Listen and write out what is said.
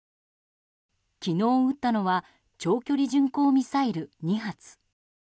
昨日、撃ったのは長距離巡航ミサイル２発。